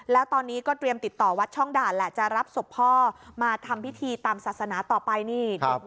แล้วตอนนี้ก็เตรียมติดต่อวัดช่องด่านแหละจะรับศพพ่อมาทำพิธีตามศาสนาต่อไปนี่